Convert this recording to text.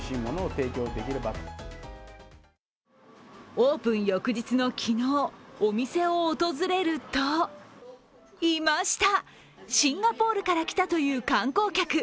オープン翌日の昨日、お店を訪れるといました、シンガポールから来たという観光客。